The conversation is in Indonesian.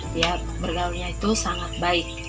dia bergaulnya itu sangat baik